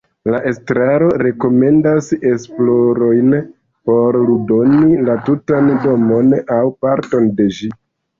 La estraro rekomendas esplorojn por ludoni la tutan domon aŭ parton de ĝi.